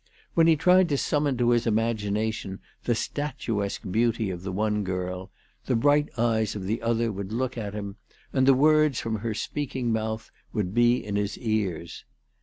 "When he tried to summon to his imagination the statuesque beauty of the one girl, the bright eyes of the other would look at him, and the words from her speaking mouth would be in his ears.